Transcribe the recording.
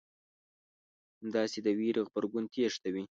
همداسې د وېرې غبرګون تېښته وي.